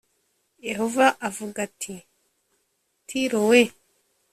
Yehova avuga ati tiro we